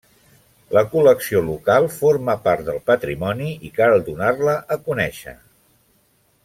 La col·lecció local forma part del patrimoni i cal donar-la a conèixer.